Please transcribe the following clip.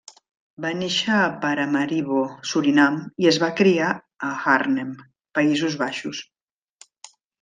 Va néixer a Paramaribo, Surinam, i es va criar a Arnhem, Països Baixos.